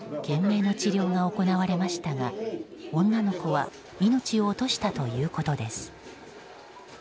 懸命な治療が行われましたが女の子は命を落としたということです。